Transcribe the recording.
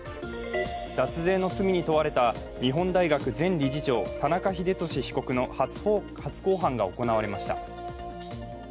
脱税の罪に問われた日本大学前理事長田中英寿被告の初公判が行われました。